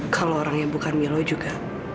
kalau orang yang bukan milo juga